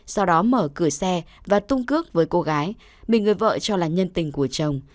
sau đó mở cửa xe và tung cước với cô gái mình người vợ cho là nhân tình của chồng